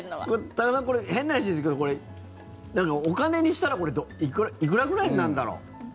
多賀さん、これ変な話ですけどお金にしたらいくらくらいになるんだろう？